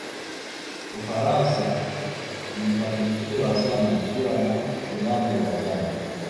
ufaransa ilifanikiwa sana ikiwa na zidane uwanjani